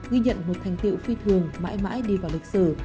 ghi nhận một thành tiệu phi thường mãi mãi đi vào lịch sử